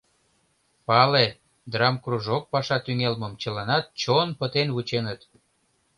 Пале, драмкружок паша тӱҥалмым чыланат чон пытен вученыт.